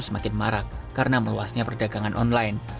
semakin marak karena meluasnya perdagangan online